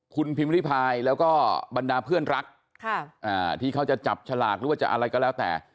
คุณพิมพิริพายแล้วก็บรรดาเพื่อนรักที่เขาจะจับฉลากหรือว่าจะอะไรก็แล้วแต่